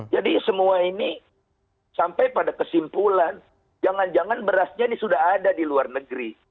jadi semua ini sampai pada kesimpulan jangan jangan berasnya ini sudah ada di luar negeri